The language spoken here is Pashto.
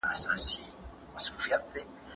ډیپلوماسي باید د هېواد د امنیت لپاره وي.